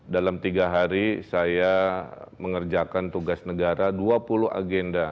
dalam tiga hari saya mengerjakan tugas negara dua puluh agenda